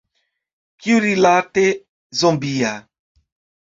Kiurilate zombia?